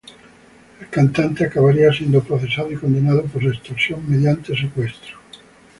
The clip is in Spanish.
El cantante acabaría siendo procesado y condenado por extorsión mediante secuestro.